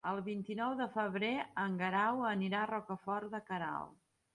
El vint-i-nou de febrer en Guerau anirà a Rocafort de Queralt.